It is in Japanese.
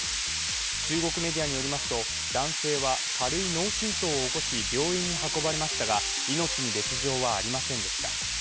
中国メディアによりますと、男性は軽い脳震とうを起こし病院に運ばれましたが、命に別状はありませんでした。